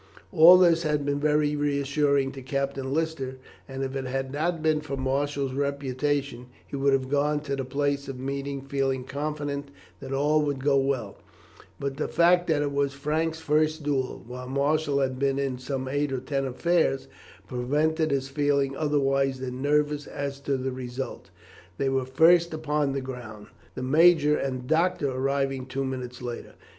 All this had been very reassuring to Captain Lister, and if it had not been for Marshall's reputation he would have gone to the place of meeting feeling confident that all would go well, but the fact that it was Frank's first duel, while Marshall had been in some eight or ten affairs, prevented his feeling otherwise than nervous as to the result. They were first upon the ground; the major and doctor arriving two minutes later.